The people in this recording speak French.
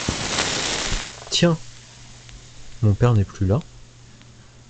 Tiens ! mon père n'est plus là ?